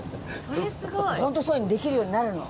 ホントそういうのできるようになるの。